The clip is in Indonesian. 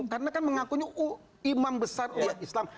karena kan mengakunya imam besar umat islam